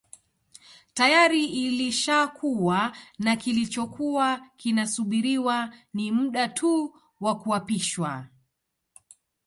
Tayari ilishakuwa na kilichokuwa kinasubiriwa ni muda tu wa kuapishwa